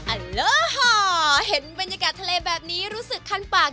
เออห่อเห็นบรรยากาศทะเลแบบนี้รู้สึกคันปาก